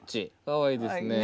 かわいいですね。